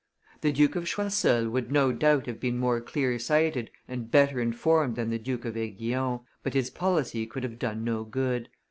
The Duke of Choiseul would no doubt have been more clear sighted and better informed than the Duke of Aiguillon, but his policy could have done no good.